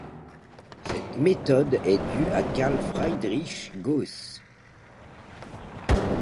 Cette méthode est due à Carl Friedrich Gauss.